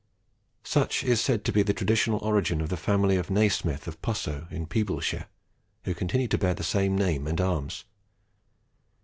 Such is said to be the traditional origin of the family of Naesmyth of Posso in Peeblesshire, who continue to bear the same name and arms.